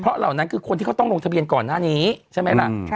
เหล่านั้นคือคนที่เขาต้องลงทะเบียนก่อนหน้านี้ใช่ไหมล่ะ